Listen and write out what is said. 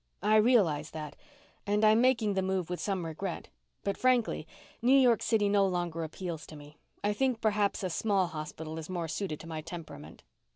"I realize that, and I'm making the move with some regret. But, frankly, New York City no longer appeals to me. I think perhaps a small hospital is more suited to my temperament."